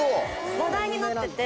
話題になってて。